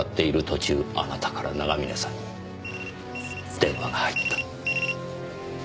途中あなたから長峰さんに電話が入った。